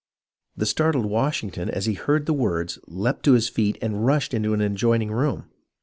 The startled Washington as he heard the words leaped to his feet and rushed into an adjoining room.